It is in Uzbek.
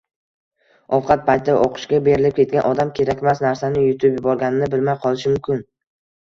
Ovqat paytida o‘qishga berilib ketgan odam kerakmas narsani yutib yuborganini bilmay qolishi mumkin.